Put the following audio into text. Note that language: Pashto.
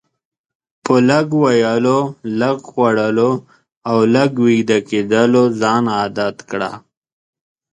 په لږ ویلو، لږ خوړلو او لږ ویده کیدلو ځان عادت کړه.